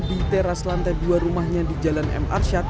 di teras lantai dua rumahnya di jalan m arsyad